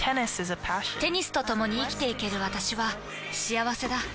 テニスとともに生きていける私は幸せだ。